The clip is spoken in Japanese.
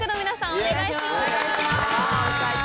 お願いします。